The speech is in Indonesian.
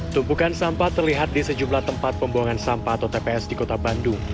tumpukan sampah terlihat di sejumlah tempat pembuangan sampah atau tps di kota bandung